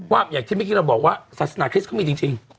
ว่าอย่างที่มิกิล่าบอกว่าศาสนาคริสต์เขามีจริง